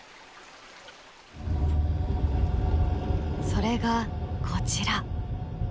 それがこちら。